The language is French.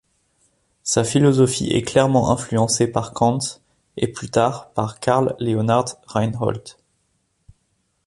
Sa philosophie est clairement influencée par Kant et plus tard par Karl Leonhard Reinhold.